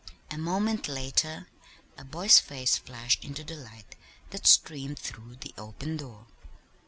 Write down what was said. A moment later a boy's face flashed into the light that streamed through the open door.